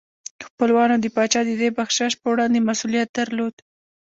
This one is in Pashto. خپلوانو د پاچا د دې بخشش په وړاندې مسؤلیت درلود.